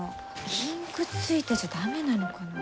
インクついてちゃ駄目なのかな？